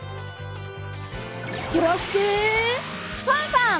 よろしくファンファン！